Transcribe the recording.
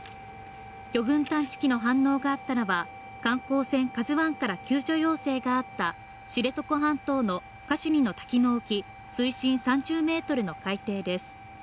魚群探知機の反応があったのは、観光船「ＫＡＺＵⅠ」から救助要請があった知床半島のカシュニの滝の沖、水深３０ｍの海底です。